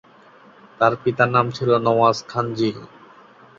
তার পিতার নাম ছিল নওয়াজ খানজী।